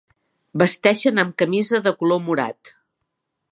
Vesteixen amb camisa de color morat.